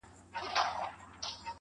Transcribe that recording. کاينات راڅه هېريږي ورځ تېرېږي.